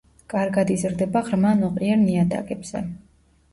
კარგად იზრდება ღრმა ნოყიერ ნიადაგებზე.